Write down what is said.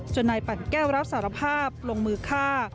นายปั่นแก้วรับสารภาพลงมือฆ่า